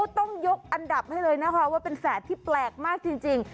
ต้องยกอันดับให้เลยนะคะว่าเป็นแฝดที่แปลกมากจริง